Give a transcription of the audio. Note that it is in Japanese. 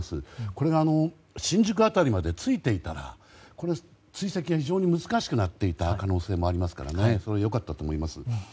これが新宿辺りまで着いていたら追跡が非常に難しくなっていた可能性もありますからそれは良かったと思います。